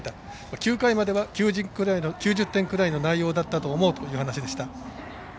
９回までは、９０点くらいの内容だったと思うという話でした。